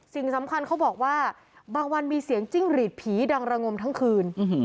สิ่งสำคัญเขาบอกว่าบางวันมีเสียงจิ้งหรีดผีดังระงมทั้งคืน